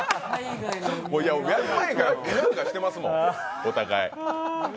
やる前からふがふがしてますもん、お互い。